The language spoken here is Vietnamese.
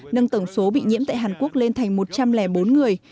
nâng tổng số bị nhiễm tại hàn quốc lên thành một trăm linh bốn người